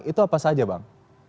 itu apa saja bang